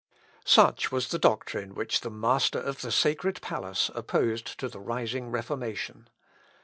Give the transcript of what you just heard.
Such was the doctrine which the master of the sacred palace opposed to the rising Reformation.